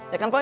ya kan poi